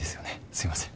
すいません。